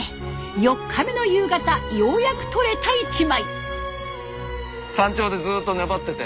４日目の夕方ようやく撮れた一枚。